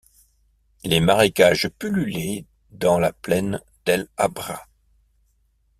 Les marécages pullulaient dans la plaine d'El Habra.